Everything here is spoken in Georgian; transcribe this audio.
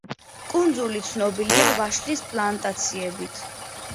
კუნძული ცნობილია ვაშლის პლანტაციებით.